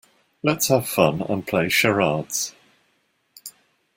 Let's have fun and play charades.